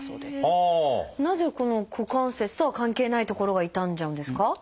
なぜこの股関節とは関係ない所が痛んじゃうんですか？